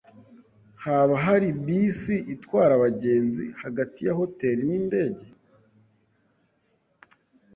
Haba hari bisi itwara abagenzi hagati ya hoteri nindege?